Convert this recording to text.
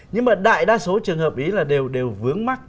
nhưng mà đại đa số trường hợp ý là đều vướng mắt